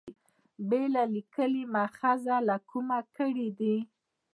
بېله لیکلي مأخذه له کومه کړي دي.